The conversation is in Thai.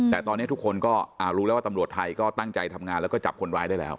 แต่ตอนนี้ทุกคนก็รู้แล้วว่าตำรวจไทยก็ตั้งใจทำงานแล้วก็จับคนร้ายได้แล้ว